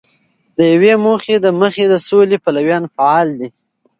د یوې موخی د مخې د سولې پلویان فعال دي.